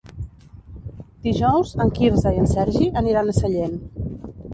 Dijous en Quirze i en Sergi aniran a Sellent.